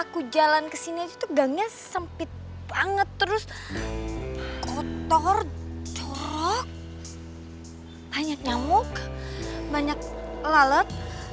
gotor dorog banyak nyamuk banyak lalat